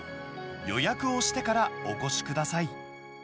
予約をしてからお越しください。